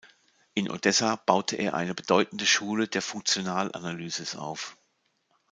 In Odessa baute er eine bedeutende Schule der Funktionalanalysis auf.